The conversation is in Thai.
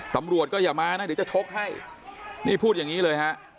ตำรวจก็อย่ามานะเดี๋ยวจะชกให้นี่พูดอย่างนี้เลยฮะ